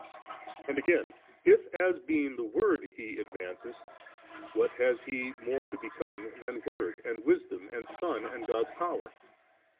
And again, if, as being the Word, He advances, what has He more to become than Word and Wisdom and Son and God's Power?